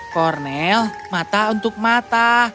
kornel mata untuk mata